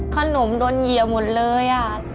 ขนมโดนเหยียบหมดเลย